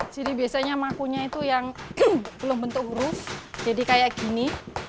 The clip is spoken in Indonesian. jadi biasanya makunya itu yang belum bentuk huruf jadi kayak gini